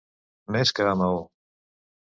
Més que a Maó!